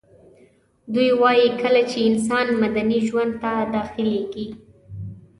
دوی وايي کله چي انسان مدني ژوند ته داخليږي